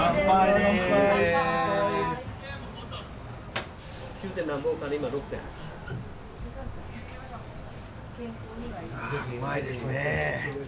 うまいですね。